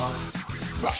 うわっ！